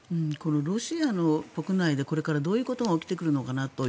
ロシアの国内でこれからどういうことが起きてくるのかなと。